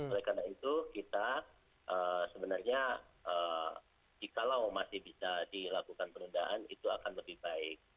oleh karena itu kita sebenarnya jikalau masih bisa dilakukan penundaan itu akan lebih baik